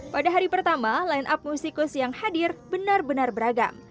pada hari pertama line up musikus yang hadir benar benar beragam